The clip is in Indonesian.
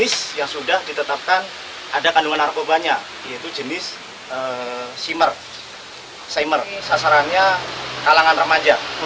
sebenarnya kalangan remaja